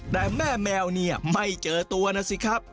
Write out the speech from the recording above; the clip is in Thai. แต่แม่แมวเนี่ยไม่เจอตัวนะสิครับ